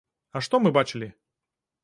А што мы бачылі?